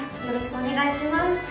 よろしくお願いします